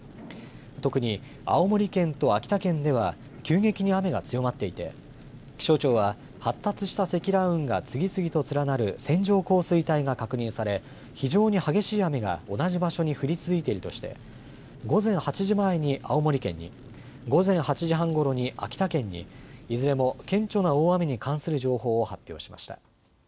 特に青森県と秋田県では急激に雨が強まっていて気象庁は発達した積乱雲が次々と連なる線状降水帯が確認され非常に激しい雨が同じ場所に降り続いているとして午前８時前に青森県に、午前８時半ごろに秋田県にいずれも顕著な大雨に関する情報を発表しました。